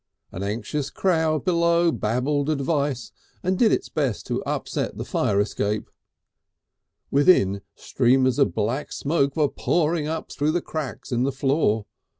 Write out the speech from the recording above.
An anxious crowd below babbled advice and did its best to upset the fire escape. Within, streamers of black smoke were pouring up through the cracks in the floor.